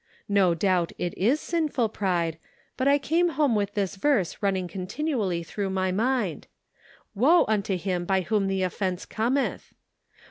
No doubt it is sinful pride, but I came home with this verse running continually through my mind :' Woe unto him by whom the offence cometh.'